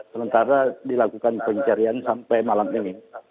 sementara dilakukan pencarian sampai malam ini